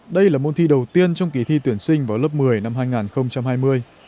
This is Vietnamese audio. đây là môn thi đầu tiên trong kỳ thi tuyển sinh vào lớp một mươi năm hai nghìn hai mươi